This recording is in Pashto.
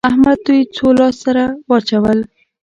احمد دوی څو لاس سره واچول؟